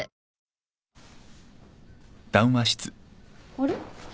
あれ？